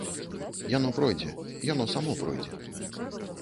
Яно пройдзе, яно само пройдзе.